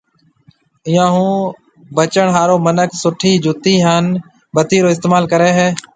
ايئون ھون بچڻ ھارو منک سُٺي جُتِي ھان بتِي رو استعمال ڪرَي ھيََََ